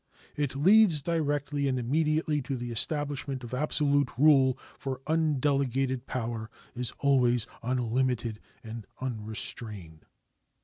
It leads directly and immediately to the establishment of absolute rule, for undelegated power is always unlimited and unrestrained.